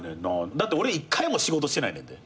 だって俺１回も仕事してないねんで。